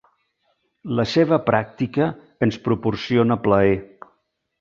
La seva pràctica ens proporciona plaer.